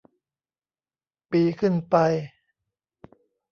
ปีขึ้นไป